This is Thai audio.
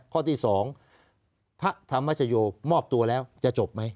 ข้อที่๒พระธรรมชโยมอบตัวแล้วจะจบไหม